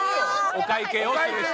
お会計をする人。